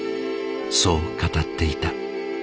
そう語っていた。